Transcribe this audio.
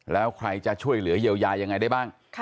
แล้วใครจะช่วยเหลือเยียวยายังไงได้บ้าง